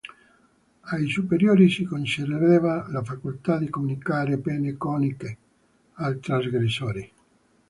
Ai superiori si concedeva la facoltà di comminare pene canoniche ai trasgressori.